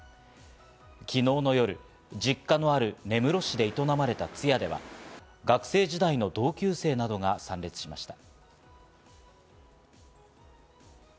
昨日の夜、実家のある根室市でいとなまれた通夜では学生時代の同級生などが参列しました。